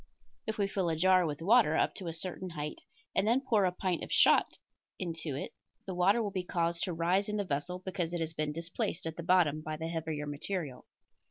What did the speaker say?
If we fill a jar with water up to a certain height and then pour a pint of shot into it the water will be caused to rise in the vessel because it has been displaced at the bottom by the heavier material.